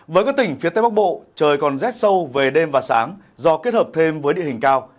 với các tỉnh phía tây bắc bộ trời còn rét sâu về đêm và sáng do kết hợp thêm với địa hình cao